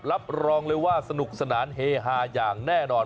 รับรองเลยว่าสนุกสนานเฮฮาอย่างแน่นอน